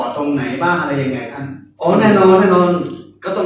ทำอย่างตัดต่อไหนบ้าง